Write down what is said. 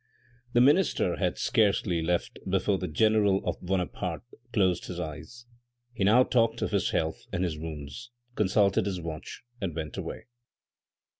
The minister had scarcely left before the general of THE CLERGY, THE FORESTS, LIBERTY 395 Buonaparte closed his eyes. He now talked of his health and his wounds, consulted his watch, and went away.